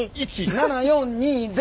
７４２０。